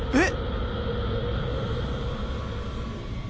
えっ？